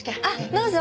どうぞ。